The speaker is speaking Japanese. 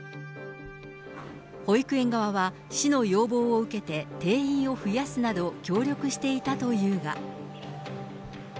保育園側は、市の要望を受けて定員を増やすなど協力していたというが。